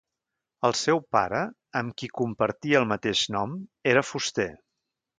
El seu pare, amb qui compartia el mateix nom, era fuster.